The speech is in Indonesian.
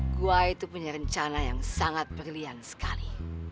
gue itu punya rencana yang sangat brilian sekali